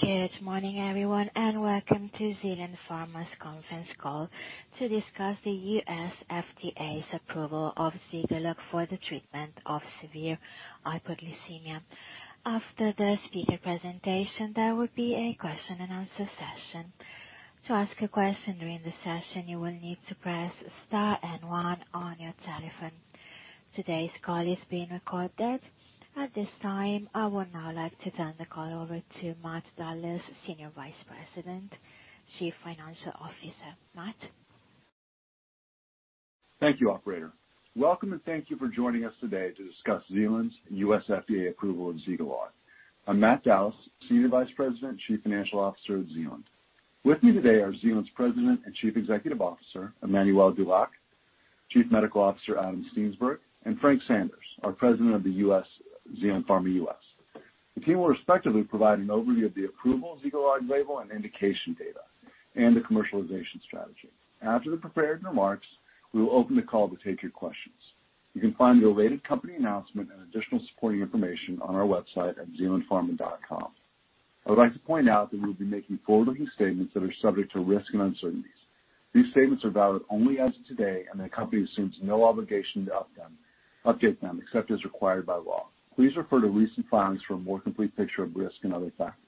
Good morning, everyone, and welcome to Zealand Pharma's conference call to discuss the US FDA's approval of Zegalogue for the treatment of severe hypoglycemia. After the speaker presentation, there will be a question-and-answer session. To ask a question during the session, you will need to press star and one on your telephone. Today's call is being recorded. At this time, I would now like to turn the call over to Matt Dallas, Senior Vice President, Chief Financial Officer. Matt. Thank you, Operator. Welcome, and thank you for joining us today to discuss Zealand's U.S. FDA approval of Zegalogue. I'm Matt Dallas, Senior Vice President, Chief Financial Officer at Zealand. With me today are Zealand's President and Chief Executive Officer, Emmanuel Dulac, Chief Medical Officer, Adam Steensberg, and Frank Sanders, our President of Zealand Pharma US. The team will respectively provide an overview of the approval of Zegalogue label and indication data, and the commercialization strategy. After the prepared remarks, we will open the call to take your questions. You can find the related company announcement and additional supporting information on our website at zealandpharma.com. I would like to point out that we will be making forward-looking statements that are subject to risk and uncertainties. These statements are valid only as of today, and the company assumes no obligation to update them except as required by law. Please refer to recent filings for a more complete picture of risk and other factors.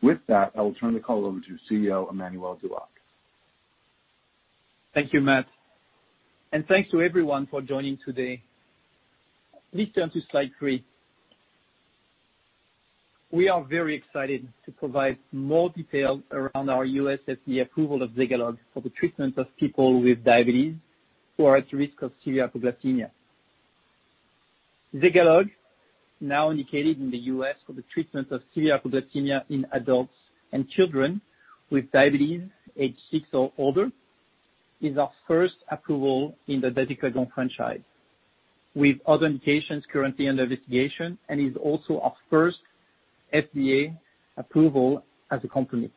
With that, I will turn the call over to CEO Emmanuel Dulac. Thank you, Matt. And thanks to everyone for joining today. Please turn to slide three. We are very excited to provide more detail around our U.S. FDA approval of Zegalogue for the treatment of people with diabetes who are at risk of severe hypoglycemia. Zegalogue, now indicated in the U.S. for the treatment of severe hypoglycemia in adults and children with diabetes age six or older, is our first approval in the dasiglucagon franchise. We have other indications currently under investigation and is also our first FDA approval as a company.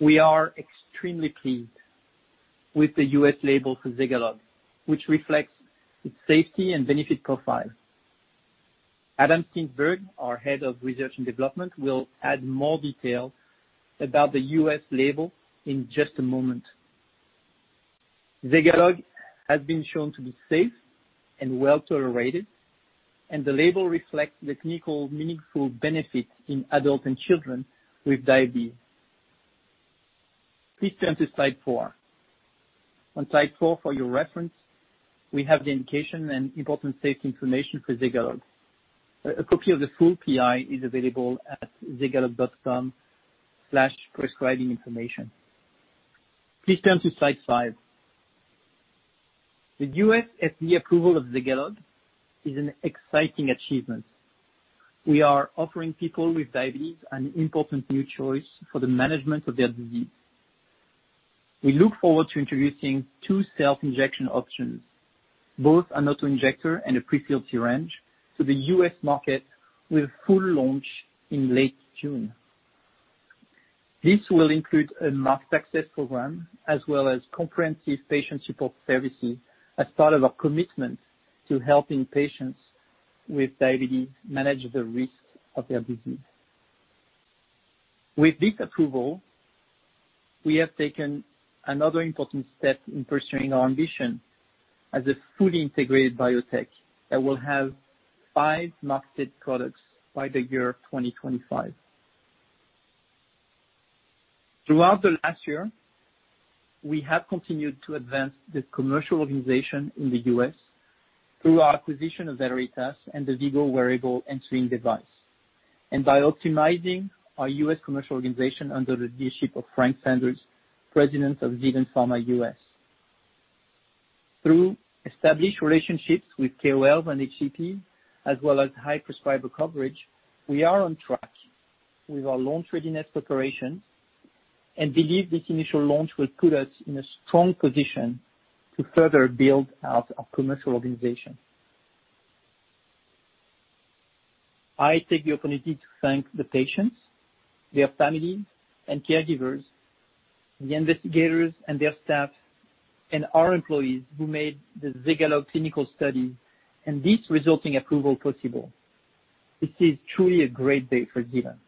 We are extremely pleased with the U.S. label for Zegalogue, which reflects its safety and benefit profile. Adam Steensberg, our Head of Research and Development, will add more detail about the U.S. label in just a moment. Zegalogue has been shown to be safe and well tolerated, and the label reflects the clinically meaningful benefits in adults and children with diabetes. Please turn to slide four. On slide four, for your reference, we have the indication and important safety information for Zegalogue. A copy of the full PI is available at zegalogue.com/prescribinginformation. Please turn to slide five. The U.S. FDA approval of Zegalogue is an exciting achievement. We are offering people with diabetes an important new choice for the management of their disease. We look forward to introducing two self-injection options, both an autoinjector and a prefilled syringe, to the U.S. market with a full launch in late June. This will include a patient access program as well as comprehensive patient support services as part of our commitment to helping patients with diabetes manage the risk of their disease. With this approval, we have taken another important step in pursuing our ambition as a fully integrated biotech that will have five marketed products by the year 2025. Throughout the last year, we have continued to advance the commercial organization in the US through our acquisition of Valeritas and the V-Go wearable insulin delivery device, and by optimizing our US commercial organization under the leadership of Frank Sanders, President of Zealand Pharma US. Through established relationships with KOLs and HCPs, as well as high prescriber coverage, we are on track with our launch readiness preparations and believe this initial launch will put us in a strong position to further build out our commercial organization. I take the opportunity to thank the patients, their families, and caregivers, the investigators, and their staff, and our employees who made the Zegalogue clinical studies and this resulting approval possible. This is truly a great day for Zealand.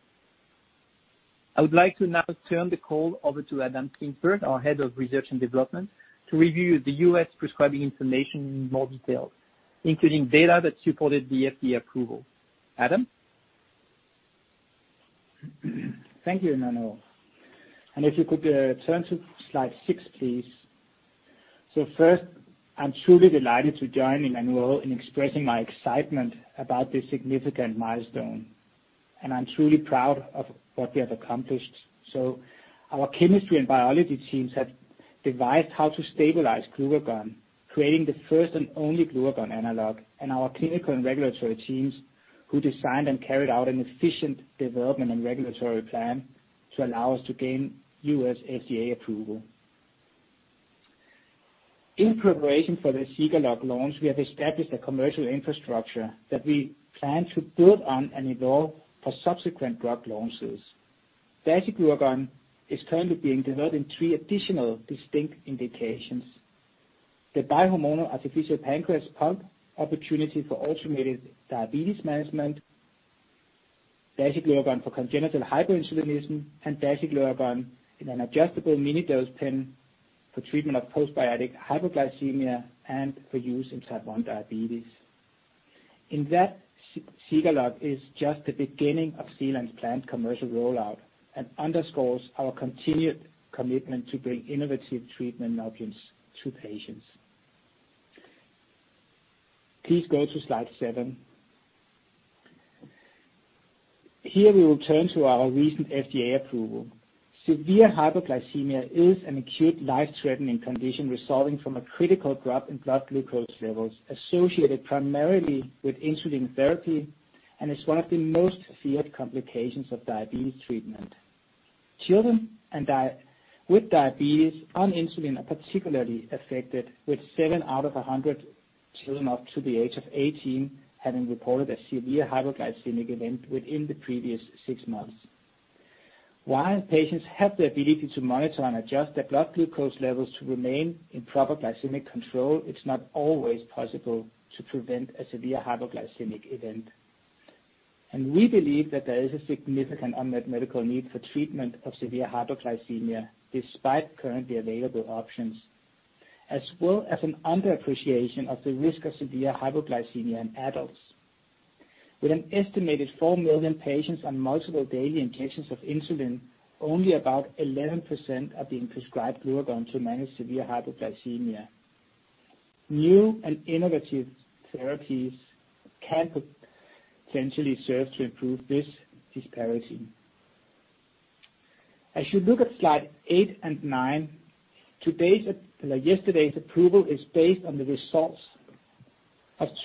I would like to now turn the call over to Adam Steensberg, our Head of Research and Development, to review the U.S. prescribing information in more detail, including data that supported the FDA approval. Adam. Thank you, Emmanuel. If you could turn to slide six, please. First, I'm truly delighted to join Emmanuel in expressing my excitement about this significant milestone. I'm truly proud of what we have accomplished. Our chemistry and biology teams have devised how to stabilize glucagon, creating the first and only glucagon analog, and our clinical and regulatory teams who designed and carried out an efficient development and regulatory plan to allow us to gain U.S. FDA approval. In preparation for the Zegalogue launch, we have established a commercial infrastructure that we plan to build on and evolve for subsequent drug launches. dasiglucagon is currently being developed in three additional distinct indications: the bi-hormonal artificial pancreas pump, opportunity for automated diabetes management, dasiglucagon for congenital hyperinsulinism, and dasiglucagon in an adjustable mini-dose pen for treatment of post-bariatric hypoglycemia and for use in type 1 diabetes. In that, Zegalogue is just the beginning of Zealand's planned commercial rollout and underscores our continued commitment to bring innovative treatment options to patients. Please go to slide seven. Here we will turn to our recent FDA approval. Severe hypoglycemia is an acute life-threatening condition resulting from a critical drop in blood glucose levels associated primarily with insulin therapy and is one of the most feared complications of diabetes treatment. Children with diabetes on insulin are particularly affected, with seven out of 100 children up to the age of 18 having reported a severe hypoglycemic event within the previous six months. While patients have the ability to monitor and adjust their blood glucose levels to remain in proper glycemic control, it's not always possible to prevent a severe hypoglycemic event. And we believe that there is a significant unmet medical need for treatment of severe hypoglycemia despite currently available options, as well as an underappreciation of the risk of severe hypoglycemia in adults. With an estimated 4 million patients on multiple daily injections of insulin, only about 11% are being prescribed glucagon to manage severe hypoglycemia. New and innovative therapies can potentially serve to improve this disparity. As you look at slide eight and nine, yesterday's approval is based on the results of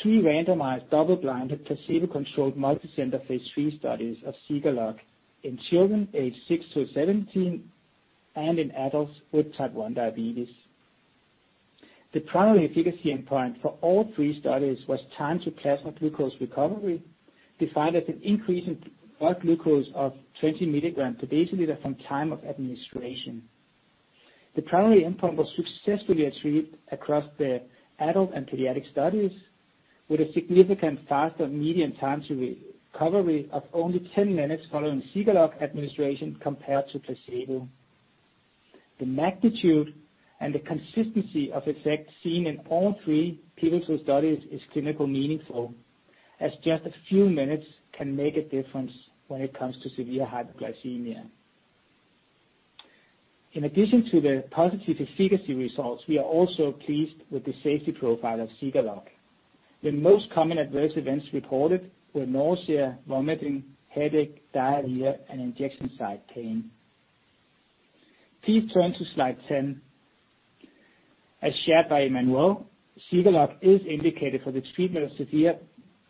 two randomized double-blinded placebo-controlled multicenter phase III studies of Zegalogue in children aged six to 17 and in adults with type 1 diabetes. The primary efficacy endpoint for all three studies was time to plasma glucose recovery, defined as an increase in blood glucose of 20 milligrams per deciliter from time of administration. The primary endpoint was successfully achieved across the adult and pediatric studies, with a significant faster median time to recovery of only 10 minutes following Zegalogue administration compared to placebo. The magnitude and the consistency of effect seen in all three pivotal studies is clinically meaningful, as just a few minutes can make a difference when it comes to severe hypoglycemia. In addition to the positive efficacy results, we are also pleased with the safety profile of Zegalogue. The most common adverse events reported were nausea, vomiting, headache, diarrhea, and injection site pain. Please turn to slide 10. As shared by Emmanuel, Zegalogue is indicated for the treatment of severe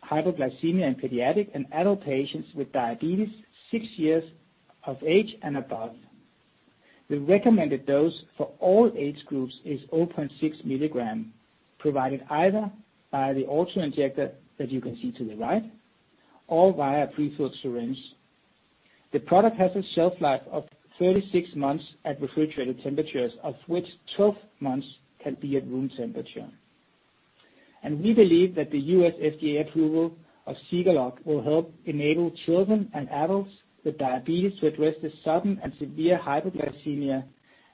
hypoglycemia in pediatric and adult patients with diabetes six years of age and above. The recommended dose for all age groups is 0.6 milligrams, provided either by the autoinjector that you can see to the right or via a prefilled syringe. The product has a shelf life of 36 months at refrigerated temperatures, of which 12 months can be at room temperature. We believe that the U.S. FDA approval of Zegalogue will help enable children and adults with diabetes to address the sudden and severe hypoglycemia,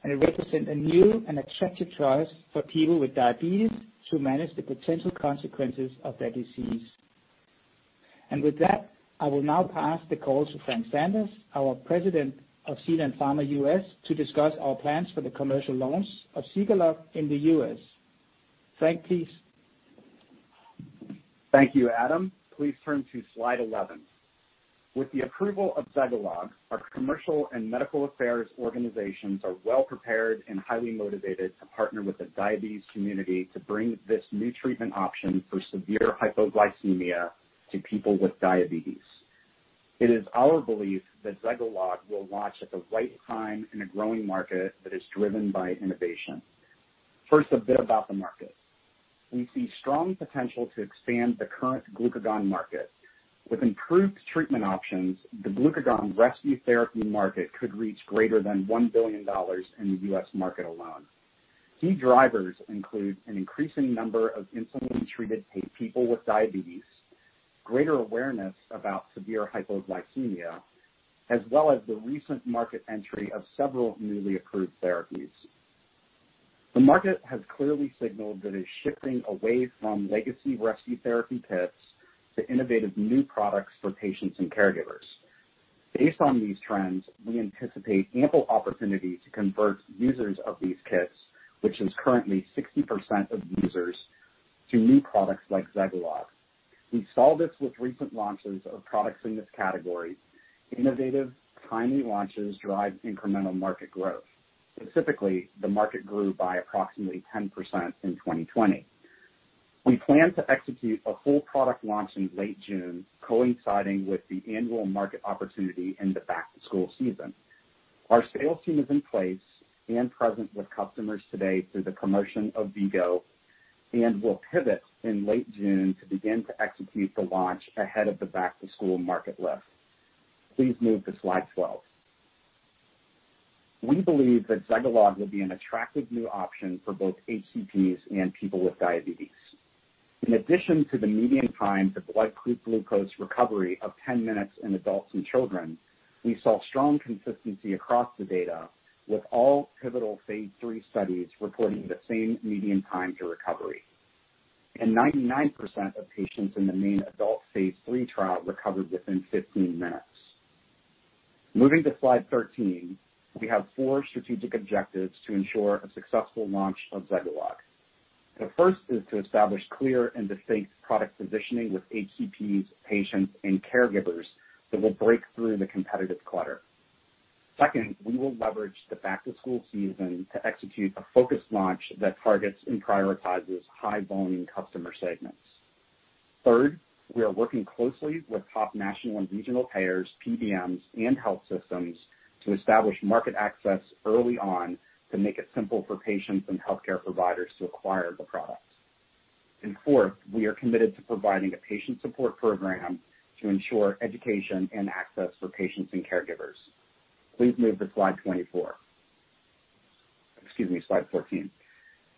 and it represents a new and attractive choice for people with diabetes to manage the potential consequences of their disease. With that, I will now pass the call to Frank Sanders, our President of Zealand Pharma US, to discuss our plans for the commercial launch of Zegalogue in the US. Frank, please. Thank you, Adam. Please turn to slide 11. With the approval of Zegalogue, our commercial and medical affairs organizations are well prepared and highly motivated to partner with the diabetes community to bring this new treatment option for severe hypoglycemia to people with diabetes. It is our belief that Zegalogue will launch at the right time in a growing market that is driven by innovation. First, a bit about the market. We see strong potential to expand the current glucagon market. With improved treatment options, the glucagon rescue therapy market could reach greater than $1 billion in the US market alone. Key drivers include an increasing number of insulin-treated people with diabetes, greater awareness about severe hypoglycemia, as well as the recent market entry of several newly approved therapies. The market has clearly signaled that it is shifting away from legacy rescue therapy kits to innovative new products for patients and caregivers. Based on these trends, we anticipate ample opportunity to convert users of these kits, which is currently 60% of users, to new products like Zegalogue. We saw this with recent launches of products in this category. Innovative, timely launches drive incremental market growth. Specifically, the market grew by approximately 10% in 2020. We plan to execute a full product launch in late June, coinciding with the annual market opportunity in the back-to-school season. Our sales team is in place and present with customers today through the promotion of V-Go and will pivot in late June to begin to execute the launch ahead of the back-to-school market lift. Please move to slide 12. We believe that Zegalogue will be an attractive new option for both HCPs and people with diabetes. In addition to the median time to blood glucose recovery of 10 minutes in adults and children, we saw strong consistency across the data, with all pivotal phase III studies reporting the same median time to recovery, and 99% of patients in the main adult phase III trial recovered within 15 minutes. Moving to slide 13, we have four strategic objectives to ensure a successful launch of Zegalogue. The first is to establish clear and distinct product positioning with HCPs, patients, and caregivers that will break through the competitive clutter. Second, we will leverage the back-to-school season to execute a focused launch that targets and prioritizes high-volume customer segments. Third, we are working closely with top national and regional payers, PBMs, and health systems to establish market access early on to make it simple for patients and healthcare providers to acquire the products, and fourth, we are committed to providing a patient support program to ensure education and access for patients and caregivers. Please move to slide 24. Excuse me, slide 14.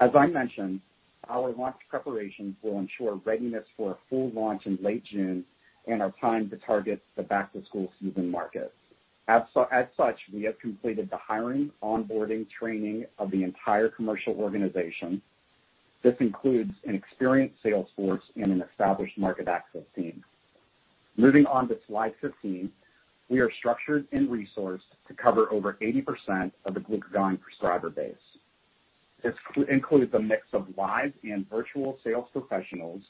As I mentioned, our launch preparations will ensure readiness for a full launch in late June and our time to target the back-to-school season markets. As such, we have completed the hiring, onboarding, training of the entire commercial organization. This includes an experienced sales force and an established market access team. Moving on to slide 15, we are structured and resourced to cover over 80% of the glucagon prescriber base. This includes a mix of live and virtual sales professionals,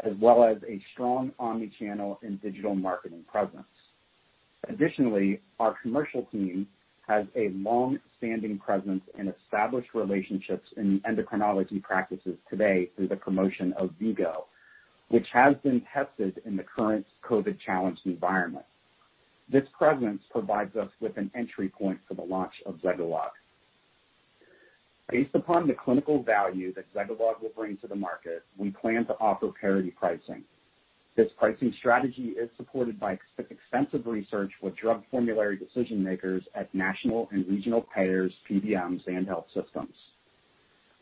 as well as a strong omnichannel and digital marketing presence. Additionally, our commercial team has a long-standing presence and established relationships in endocrinology practices today through the promotion of V-Go, which has been tested in the current COVID challenge environment. This presence provides us with an entry point for the launch of Zegalogue. Based upon the clinical value that Zegalogue will bring to the market, we plan to offer parity pricing. This pricing strategy is supported by extensive research with drug formulary decision-makers at national and regional payers, PBMs, and health systems.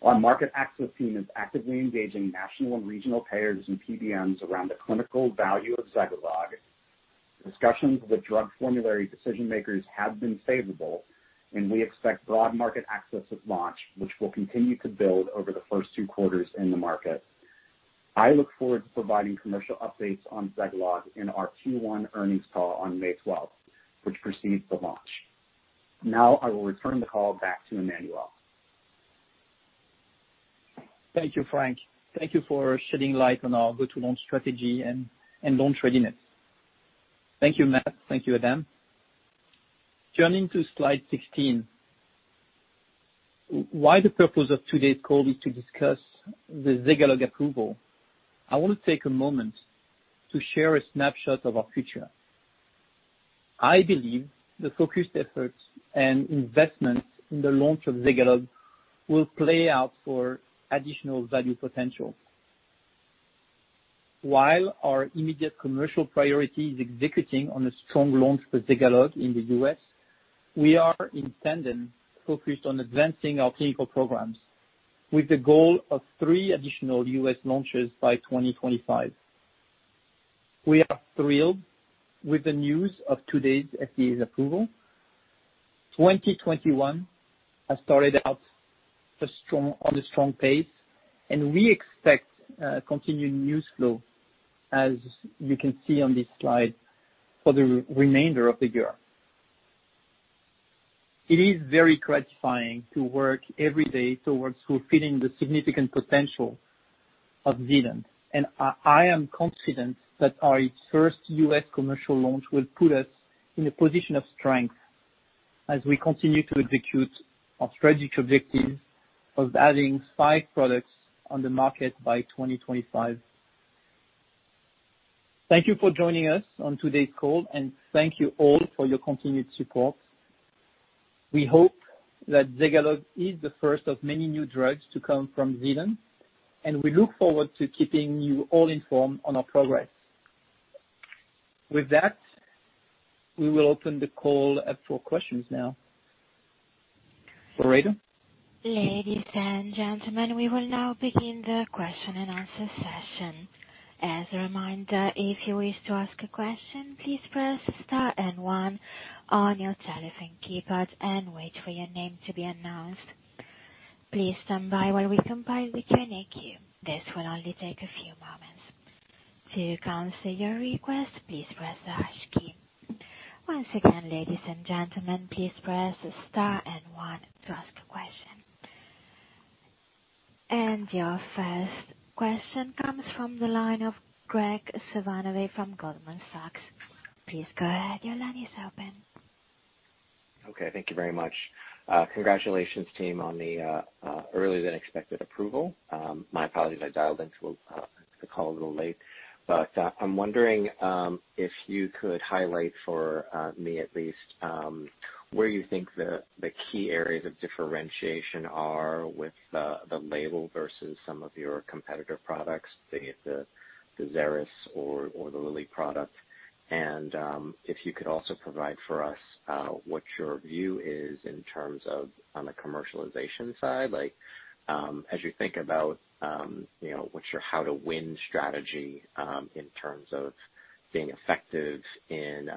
Our market access team is actively engaging national and regional payers and PBMs around the clinical value of Zegalogue. Discussions with drug formulary decision-makers have been favorable, and we expect broad market access at launch, which will continue to build over the first two quarters in the market. I look forward to providing commercial updates on Zegalogue in our Q1 earnings call on May 12th, which precedes the launch. Now I will return the call back to Emmanuel. Thank you, Frank. Thank you for shedding light on our go-to-launch strategy and launch readiness. Thank you, Matt. Thank you, Adam. Turning to slide 16, while the purpose of today's call is to discuss the Zegalogue approval, I want to take a moment to share a snapshot of our future. I believe the focused efforts and investment in the launch of Zegalogue will play out for additional value potential. While our immediate commercial priority is executing on a strong launch for Zegalogue in the US, we are in tandem focused on advancing our clinical programs with the goal of three additional US launches by 2025. We are thrilled with the news of today's FDA's approval. 2021 has started out on a strong pace, and we expect continued news flow, as you can see on this slide, for the remainder of the year. It is very gratifying to work every day towards fulfilling the significant potential of Zealand, and I am confident that our first US commercial launch will put us in a position of strength as we continue to execute our strategic objective of adding five products on the market by 2025. Thank you for joining us on today's call, and thank you all for your continued support. We hope that Zegalogue is the first of many new drugs to come from Zealand, and we look forward to keeping you all informed on our progress. With that, we will open the call up for questions now. Loretta? Ladies and gentlemen, we will now begin the question and answer session. As a reminder, if you wish to ask a question, please press star and one on your telephone keypad and wait for your name to be announced. Please stand by while we compile the Q&A queue. This will only take a few moments. To cancel your request, please press the hash key. Once again, ladies and gentlemen, please press star and one to ask a question. And your first question comes from the line of Graig Suvannavejh from Goldman Sachs. Please go ahead. Your line is open. Okay. Thank you very much. Congratulations, team, on the earlier-than-expected approval. My apologies. I dialed into the call a little late. But I'm wondering if you could highlight for me at least where you think the key areas of differentiation are with the label versus some of your competitor products, the Xeris or the Lilly product. And if you could also provide for us what your view is in terms of on the commercialization side, as you think about what's your how-to-win strategy in terms of being effective in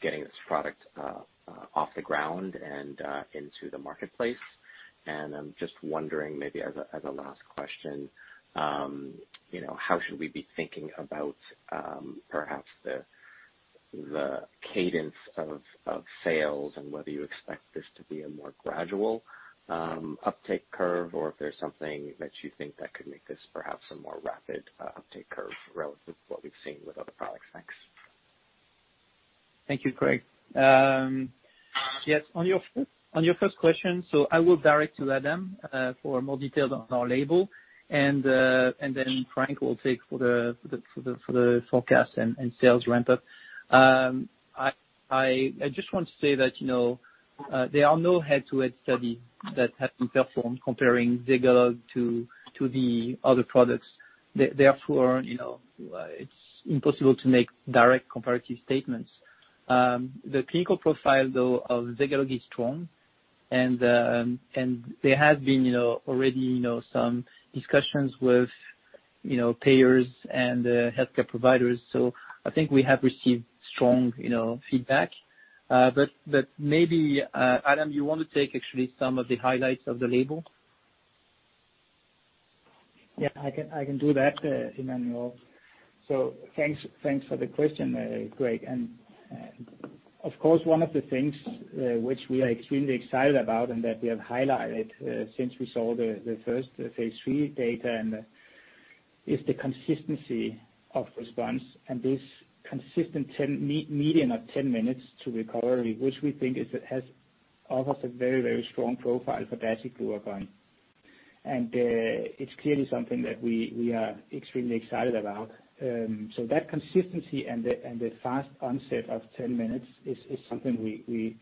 getting this product off the ground and into the marketplace. I'm just wondering, maybe as a last question, how should we be thinking about perhaps the cadence of sales and whether you expect this to be a more gradual uptake curve or if there's something that you think that could make this perhaps a more rapid uptake curve relative to what we've seen with other products? Thanks. Thank you, Graig. Yes, on your first question, so I will direct to Adam for more details on our label, and then Frank will take for the forecast and sales ramp-up. I just want to say that there are no head-to-head studies that have been performed comparing Zegalogue to the other products. Therefore, it's impossible to make direct comparative statements. The clinical profile, though, of Zegalogue is strong, and there has been already some discussions with payers and healthcare providers. So I think we have received strong feedback. But maybe, Adam, you want to take actually some of the highlights of the label? Yeah, I can do that, Emmanuel. So thanks for the question, Graig. And of course, one of the things which we are extremely excited about and that we have highlighted since we saw the first phase III data is the consistency of response. And this consistent median of 10 minutes to recovery, which we think has offered a very, very strong profile for dasiglucagon. And it's clearly something that we are extremely excited about. So that consistency and the fast onset of 10 minutes is something we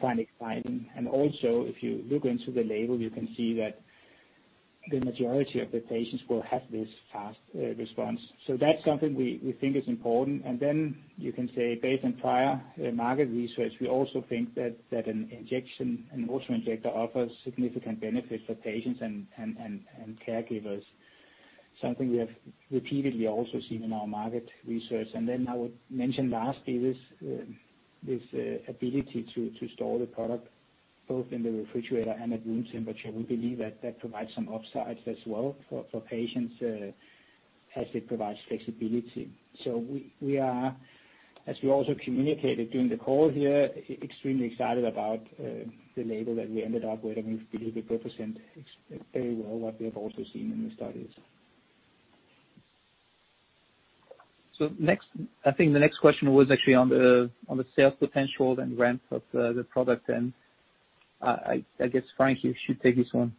find exciting. And also, if you look into the label, you can see that the majority of the patients will have this fast response. So that's something we think is important. And then you can say, based on prior market research, we also think that an injection, an autoinjector, offers significant benefits for patients and caregivers, something we have repeatedly also seen in our market research. And then I would mention lastly, this ability to store the product both in the refrigerator and at room temperature. We believe that provides some upsides as well for patients as it provides flexibility. So we are, as we also communicated during the call here, extremely excited about the label that we ended up with, and we believe it represents very well what we have also seen in the studies. So I think the next question was actually on the sales potential and ramp of the product. And I guess Frank should take this one.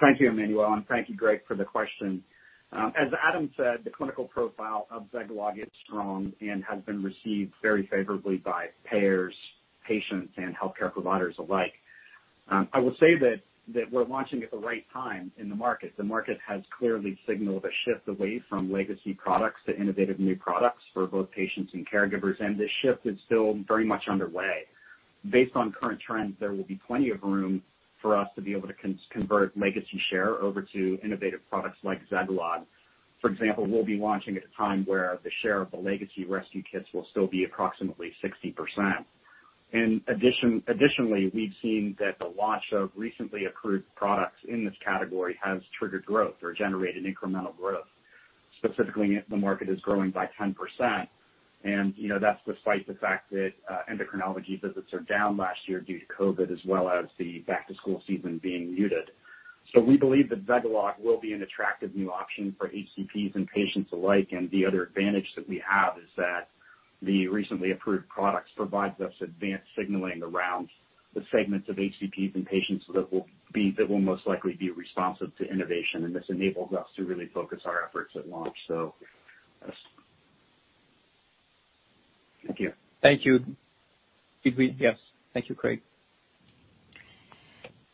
Thank you, Emmanuel. Thank you, Graig, for the question. As Adam said, the clinical profile of Zegalogue is strong and has been received very favorably by payers, patients, and healthcare providers alike. I will say that we're launching at the right time in the market. The market has clearly signaled a shift away from legacy products to innovative new products for both patients and caregivers. This shift is still very much underway. Based on current trends, there will be plenty of room for us to be able to convert legacy share over to innovative products like Zegalogue. For example, we'll be launching at a time where the share of the legacy rescue kits will still be approximately 60%. Additionally, we've seen that the launch of recently approved products in this category has triggered growth or generated incremental growth. Specifically, the market is growing by 10%. And that's despite the fact that endocrinology visits are down last year due to COVID, as well as the back-to-school season being muted. So we believe that Zegalogue will be an attractive new option for HCPs and patients alike. And the other advantage that we have is that the recently approved products provide us advanced signaling around the segments of HCPs and patients that will most likely be responsive to innovation. And this enables us to really focus our efforts at launch. So thank you. Thank you. Yes. Thank you, Graig.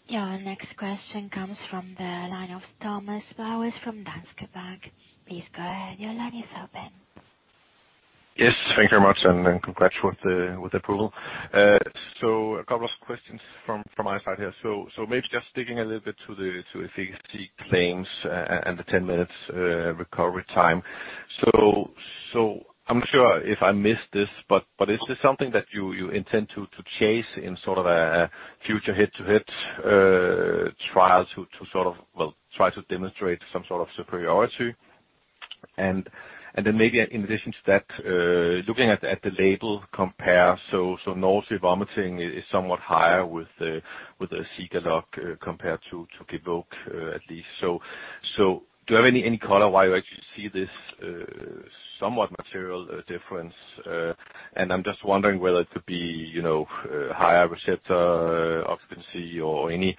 Yeah. Next question comes from the line of Thomas Bowers from Danske Bank. Please go ahead. Your line is open. Yes. Thank you very much. And congrats with the approval. So a couple of questions from my side here. So maybe just digging a little bit to the efficacy claims and the 10 minutes recovery time. So I'm not sure if I missed this, but is this something that you intend to chase in sort of a future head-to-head trial to sort of, well, try to demonstrate some sort of superiority? And then maybe in addition to that, looking at the label compare, so nausea, vomiting is somewhat higher with the Zegalogue compared to Gvoke, at least. So do you have any color why you actually see this somewhat material difference? And I'm just wondering whether it could be higher receptor occupancy or any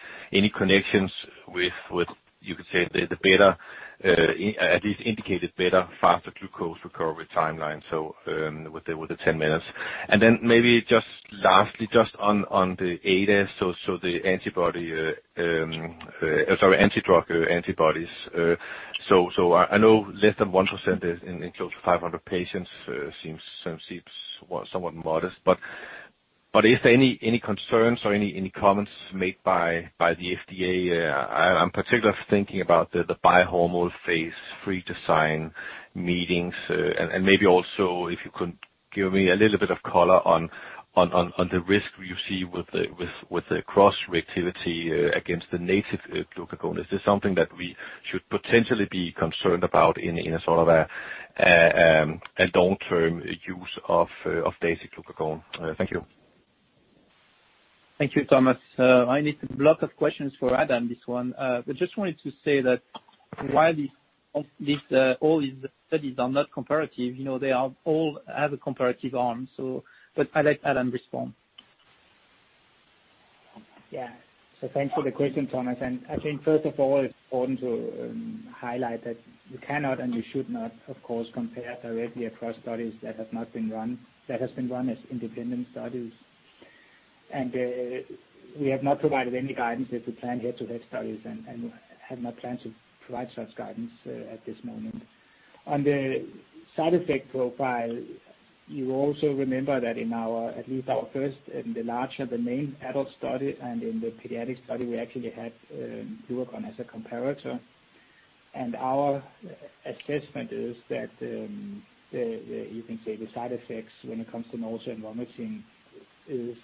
connections with, you could say, the better, at least indicated better, faster glucose recovery timeline with the 10 minutes. Then maybe just lastly, just on the ADAs, so the antibody, sorry, antidrug antibodies. So I know less than 1% in close to 500 patients seems somewhat modest. But is there any concerns or any comments made by the FDA? I'm particularly thinking about the bi-hormonal phase III design meetings. And maybe also, if you could give me a little bit of color on the risk you see with the cross-reactivity against the native glucagon. Is this something that we should potentially be concerned about in sort of a long-term use of dasiglucagon? Thank you. Thank you, Thomas. I need a block of questions for Adam, this one, but just wanted to say that while all these studies are not comparative, they all have a comparative arm, but I'll let Adam respond. Yeah. So thanks for the question, Thomas. And I think, first of all, it's important to highlight that you cannot and you should not, of course, compare directly across studies that have not been run. That has been run as independent studies. And we have not provided any guidance if we plan here to have studies and have not planned to provide such guidance at this moment. On the side effect profile, you also remember that in at least our first and the larger, the main adult study and in the pediatric study, we actually had glucagon as a comparator. And our assessment is that you can say the side effects when it comes to nausea and vomiting is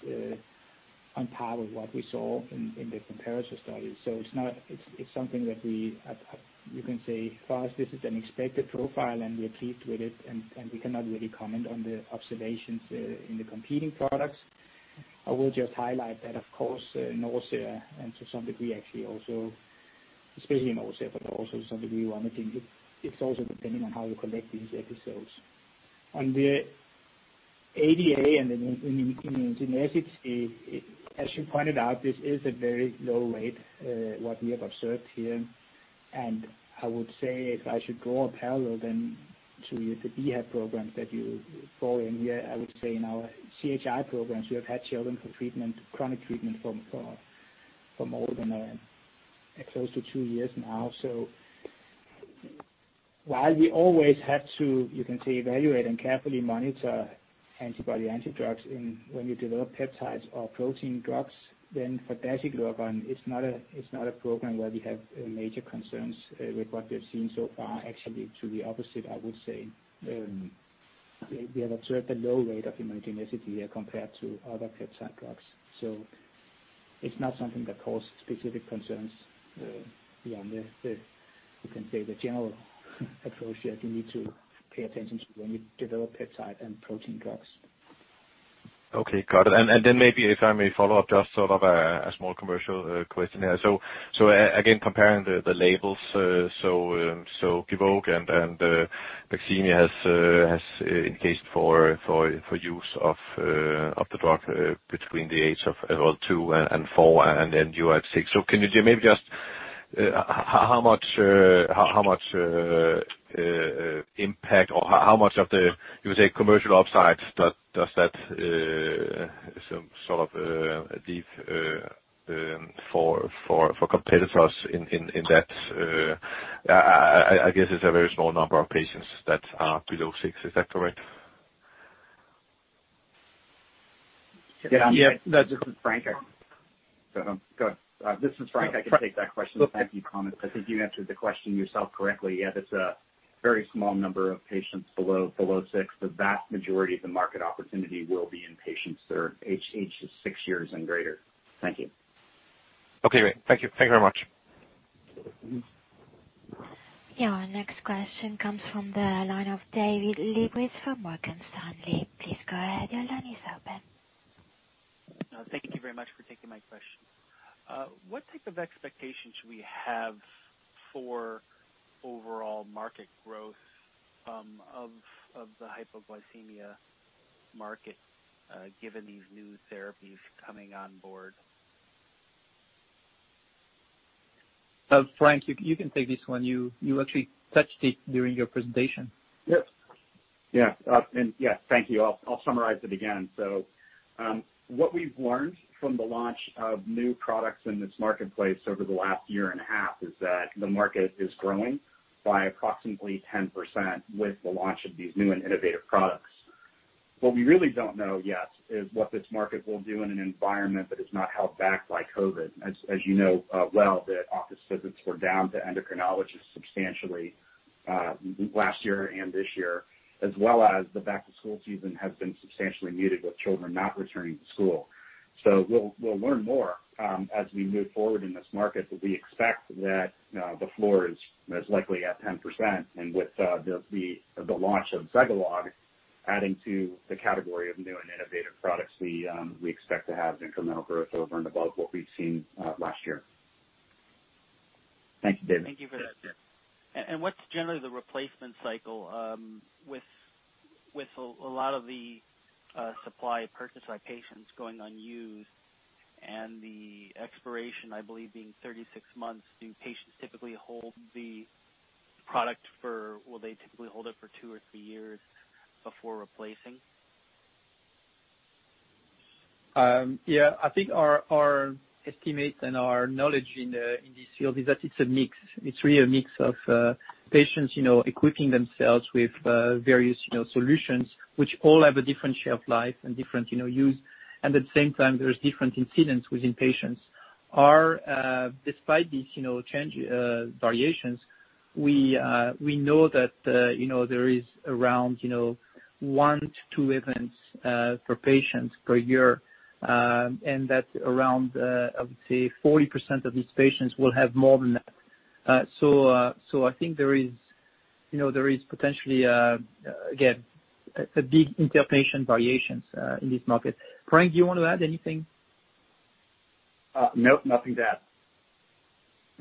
on par with what we saw in the comparator study. So it's something that you can say, for us, this is an expected profile, and we are pleased with it. We cannot really comment on the observations in the competing products. I will just highlight that, of course, nausea and to some degree actually also, especially nausea, but also to some degree vomiting, it's also depending on how you collect these episodes. On the ADA and the immunogenicity, as you pointed out, this is a very low rate what we have observed here. I would say, if I should draw a parallel then to the BHAP programs that you brought in here, I would say in our CHI programs, we have had children for treatment, chronic treatment for more than close to two years now. While we always have to, you can say, evaluate and carefully monitor antidrug antibodies when you develop peptides or protein drugs, then for dasiglucagon, it's not a program where we have major concerns with what we have seen so far. Actually, to the opposite, I would say. We have observed a low rate of immunogenicity here compared to other peptide drugs. So it's not something that causes specific concerns beyond the, you can say, the general approach that you need to pay attention to when you develop peptide and protein drugs. Okay. Got it. And then maybe, if I may follow up, just sort of a small commercial question here. So again, comparing the labels, so Gvoke and Baqsimi has indication for use of the drug between the age of two and four and then you at six. So can you maybe just how much impact or how much of the, you would say, commercial upsides does that sort of leave for competitors in that? I guess it's a very small number of patients that are below six. Is that correct? This is Frank. I can take that question. Thank you, Thomas. I think you answered the question yourself correctly. Yeah, that's a very small number of patients below six. The vast majority of the market opportunity will be in patients that are aged six years and greater. Thank you. Okay. Great. Thank you. Thank you very much. Yeah. Next question comes from the line of David Lebowitz from Morgan Stanley. Please go ahead. Your line is open. Thank you very much for taking my question. What type of expectations should we have for overall market growth of the hypoglycemia market given these new therapies coming on board? Frank, you can take this one. You actually touched it during your presentation. Thank you. I'll summarize it again. What we've learned from the launch of new products in this marketplace over the last year and a half is that the market is growing by approximately 10% with the launch of these new and innovative products. What we really don't know yet is what this market will do in an environment that is not held back by COVID. As you know well, the office visits were down to endocrinologists substantially last year and this year, as well as the back-to-school season has been substantially muted with children not returning to school. We'll learn more as we move forward in this market, but we expect that the floor is most likely at 10%. With the launch of Zegalogue adding to the category of new and innovative products, we expect to have incremental growth over and above what we've seen last year. Thank you, David. Thank you for that, and what's generally the replacement cycle with a lot of the supply purchased by patients going unused and the expiration, I believe, being 36 months? Do patients typically hold the product for, will they typically hold it for two or three years before replacing? Yeah. I think our estimate and our knowledge in this field is that it's a mix. It's really a mix of patients equipping themselves with various solutions, which all have a different shelf life and different use. And at the same time, there's different incidents within patients. Despite these variations, we know that there is around one to two events per patient per year, and that around, I would say, 40% of these patients will have more than that. So I think there is potentially, again, a big interpatient variations in this market. Frank, do you want to add anything? Nope. Nothing to add.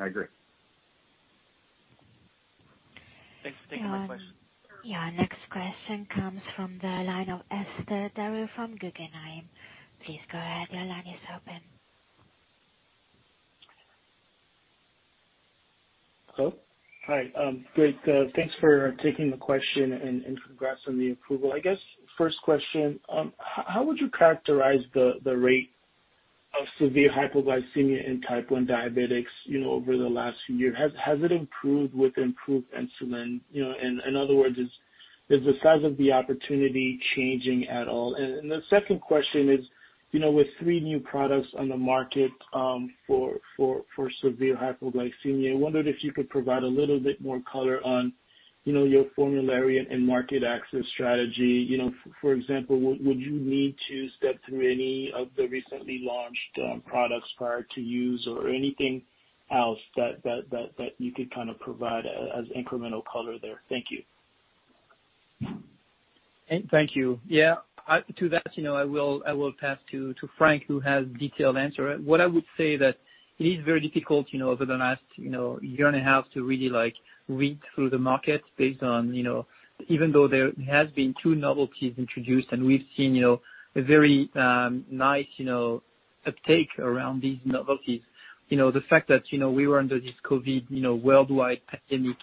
I agree. Thanks for taking my question. Yeah. Next question comes from the line of Etzer Darout from Guggenheim. Please go ahead. Your line is open. Hello? All right. Great. Thanks for taking the question and congrats on the approval. I guess first question, how would you characterize the rate of severe hypoglycemia in type 1 diabetics over the last year? Has it improved with improved insulin? In other words, is the size of the opportunity changing at all? And the second question is, with three new products on the market for severe hypoglycemia, I wondered if you could provide a little bit more color on your formulary and market access strategy. For example, would you need to step through any of the recently launched products prior to use or anything else that you could kind of provide as incremental color there? Thank you. Thank you. Yeah. To that, I will pass to Frank, who has detailed answer. What I would say is that it is very difficult over the last year and a half to really read through the market based on even though there has been two novelties introduced, and we've seen a very nice uptake around these novelties. The fact that we were under this COVID-19 worldwide pandemic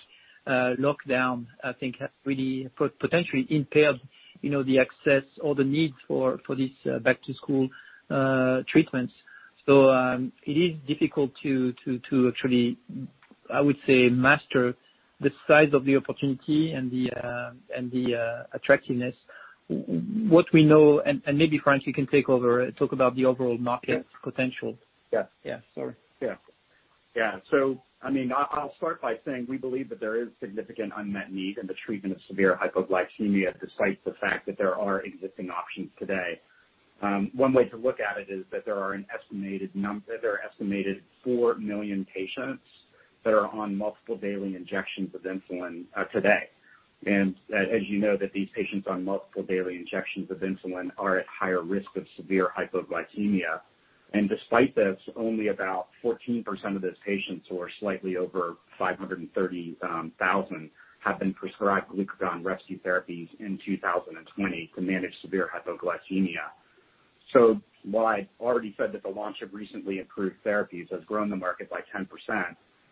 lockdown, I think, has really potentially impaired the access or the need for these back-to-school treatments. So it is difficult to actually, I would say, master the size of the opportunity and the attractiveness. What we know, and maybe Frank, you can take over and talk about the overall market potential. So I mean, I'll start by saying we believe that there is significant unmet need in the treatment of severe hypoglycemia despite the fact that there are existing options today. One way to look at it is that there are an estimated four million patients that are on multiple daily injections of insulin today. And as you know, these patients on multiple daily injections of insulin are at higher risk of severe hypoglycemia. And despite this, only about 14% of those patients who are slightly over 530,000 have been prescribed glucagon rescue therapies in 2020 to manage severe hypoglycemia. So while I already said that the launch of recently improved therapies has grown the market by 10%,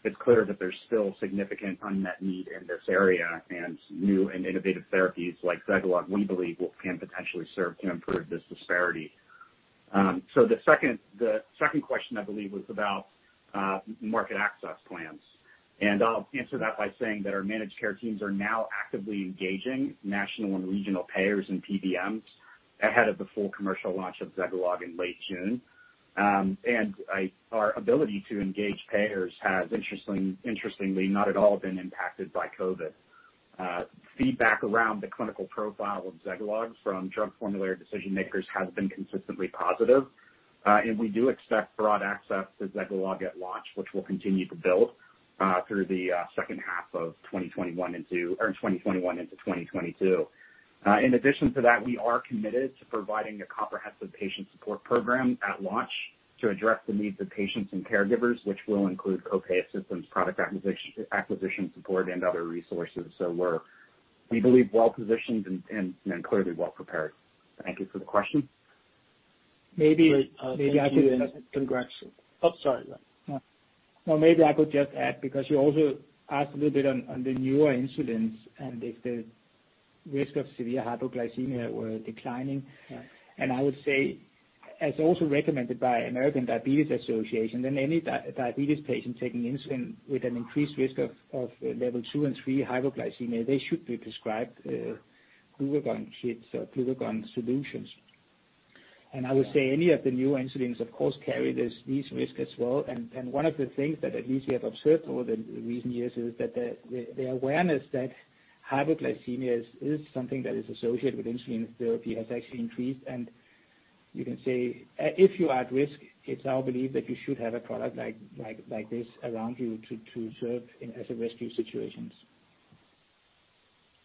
it's clear that there's still significant unmet need in this area. New and innovative therapies like Zegalogue, we believe, can potentially serve to improve this disparity. The second question, I believe, was about market access plans. I'll answer that by saying that our managed care teams are now actively engaging national and regional payers and PBMs ahead of the full commercial launch of Zegalogue in late June. Our ability to engage payers has, interestingly, not at all been impacted by COVID-19. Feedback around the clinical profile of Zegalogue from drug formulary decision makers has been consistently positive. We do expect broad access to Zegalogue at launch, which we'll continue to build through the second half of 2021 into 2022. In addition to that, we are committed to providing a comprehensive patient support program at launch to address the needs of patients and caregivers, which will include copay assistance, product acquisition support, and other resources. We believe well-positioned and clearly well-prepared. Thank you for the question. Maybe I could. Sorry. Oh, sorry. No, maybe I could just add because you also asked a little bit on the newer insulins and if the risk of severe hypoglycemia were declining. And I would say, as also recommended by American Diabetes Association, then any diabetes patient taking insulin with an increased risk of level two and three hypoglycemia, they should be prescribed glucagon kits or glucagon solutions. And I would say any of the newer insulins, of course, carry these risks as well. And one of the things that at least we have observed over the recent years is that the awareness that hypoglycemia is something that is associated with insulin therapy has actually increased. And you can say, if you are at risk, it's our belief that you should have a product like this around you to serve as a rescue situation.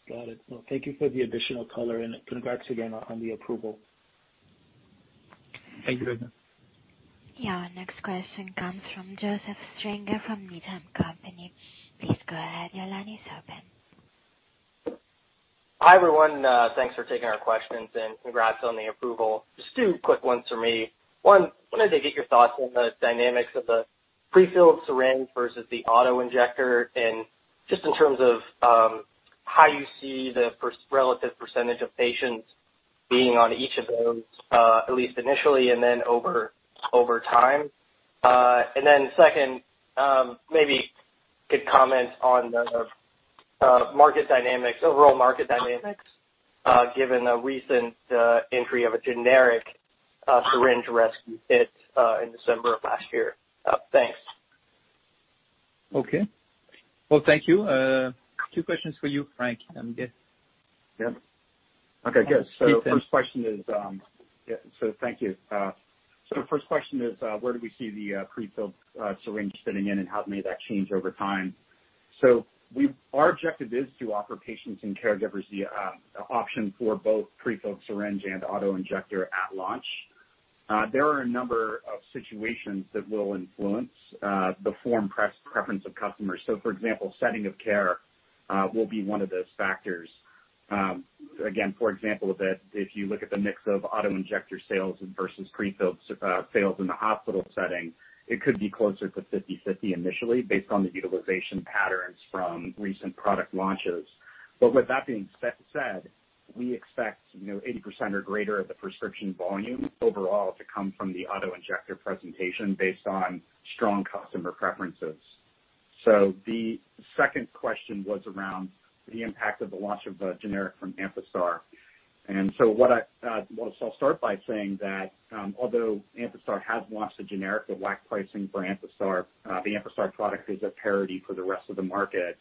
Got it. Well, thank you for the additional color. And congrats again on the approval. Thank you very much. Yeah. Next question comes from Joseph Stringer from Needham & Company. Please go ahead. Your line is open. Hi everyone. Thanks for taking our questions. And congrats on the approval. Just two quick ones for me. One, wanted to get your thoughts on the dynamics of the prefilled syringe versus the autoinjector and just in terms of how you see the relative percentage of patients being on each of those, at least initially and then over time. And then second, maybe good comments on the market dynamics, overall market dynamics, given the recent entry of a generic syringe rescue kit in December of last year. Thanks. Okay. Well, thank you. Two questions for you, Frank. Yeah. Okay. Good. So the first question is, where do we see the prefilled syringe fitting in and how may that change over time? So our objective is to offer patients and caregivers the option for both prefilled syringe and autoinjector at launch. There are a number of situations that will influence the form preference of customers. So for example, setting of care will be one of those factors. Again, for example, if you look at the mix of autoinjector sales versus prefilled sales in the hospital setting, it could be closer to 50/50 initially based on the utilization patterns from recent product launches. But with that being said, we expect 80% or greater of the prescription volume overall to come from the autoinjector presentation based on strong customer preferences. So the second question was around the impact of the launch of the generic from Amphastar. And so I'll start by saying that although Amphastar has launched a generic, the WAC pricing for Amphastar, the Amphastar product is a parity for the rest of the market.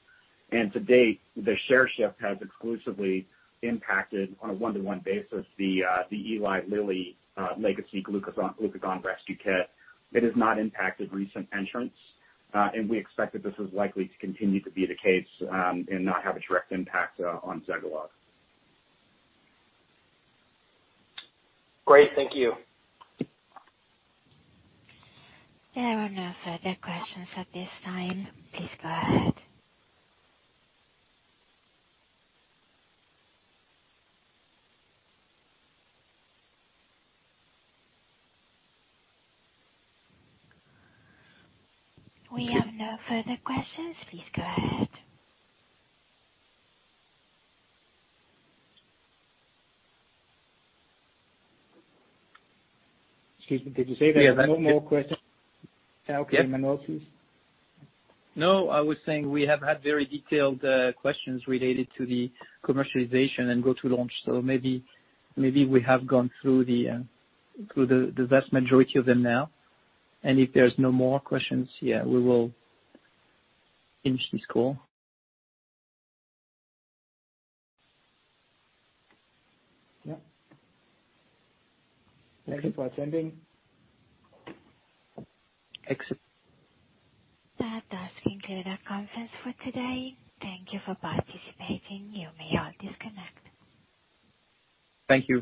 And to date, the share shift has exclusively impacted on a one-to-one basis the Eli Lilly legacy glucagon rescue kit. It has not impacted recent entrants. And we expect that this is likely to continue to be the case and not have a direct impact on Zegalogue. Great. Thank you. There are no further questions at this time. Please go ahead. We have no further questions. Please go ahead. Excuse me. Did you say that? No more questions? Okay. Emmanuel, please. No, I was saying we have had very detailed questions related to the commercialization and go-to-launch. So maybe we have gone through the vast majority of them now, and if there's no more questions, yeah, we will finish this call. Yeah. Thank you for attending. Excellent. That does conclude our conference for today. Thank you for participating. You may all disconnect. Thank you.